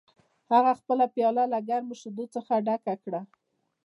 هغه خپله پیاله له ګرمو شیدو څخه ډکه کړه